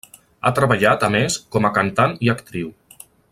Ha treballat a més com a cantant i actriu.